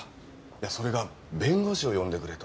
いやそれが弁護士を呼んでくれと。